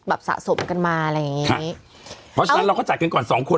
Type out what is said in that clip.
สะสมกันมาอะไรอย่างงี้เพราะฉะนั้นเราก็จัดกันก่อนสองคน